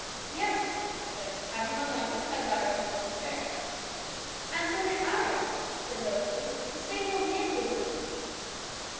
'Yes,' he said; 'have you one like it? I got it at Pendleton fair.' 'And so did I,' said Rosalie; the same old man gave one to me.